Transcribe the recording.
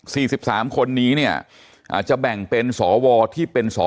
สิบสามคนนี้เนี่ยอ่าจะแบ่งเป็นสวที่เป็นสอ